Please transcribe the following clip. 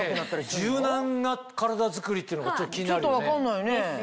「柔軟な体作り」っていうのがちょっと気になるよね。